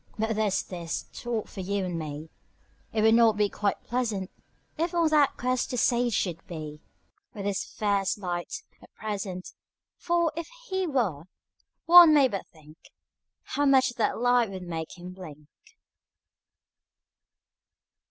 But there's this thought for you and me: It would not be quite pleasant If on that quest the sage should be With his fierce light, at present. For, if he were, one may but think How much that light would make him blink.